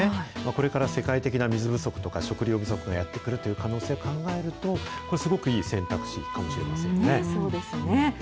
これから世界的な水不足とか、食糧不足がやって来るという可能性を考えると、これ、すごくいいそうですね。